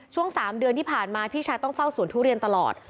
ช่วง๓เดือนที่ผ่านมาพี่ชายต้องเฝ้าสวนทุเรียนตลอด